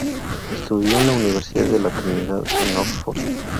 Estudió en la Universidad de la Trinidad, en Oxford.